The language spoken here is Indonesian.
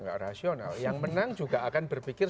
nggak rasional yang menang juga akan berpikir